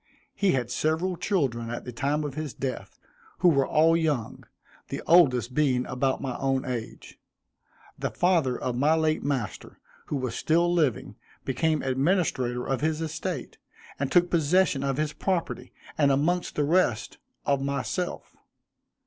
He had several children at the time of his death, who were all young; the oldest being about my own age. The father of my late master, who was still living, became administrator of his estate, and took possession of his property, and amongst the rest, of myself.